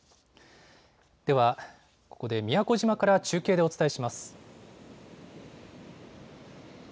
ではここで宮古島から中継でお伝えします。